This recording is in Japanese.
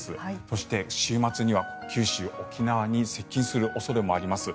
そして週末には九州、沖縄に接近する恐れもあります。